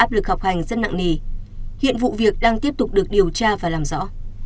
lực học hành rất nặng nề hiện vụ việc đang tiếp tục được điều tra và làm rõ